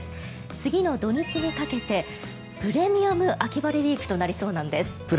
次の土日にかけてプレミアム秋晴れウィークとなりそうなんです。